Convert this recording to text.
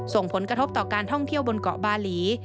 ส่งผลกระทบต่อการท่องเที่ยวบนเกาะบาหลี